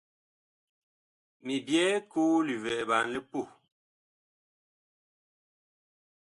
Mi byɛɛ koo livɛɛɓan li puh.